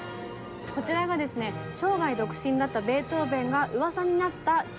こちらがですね生涯独身だったベートーベンがうわさになった女性たち。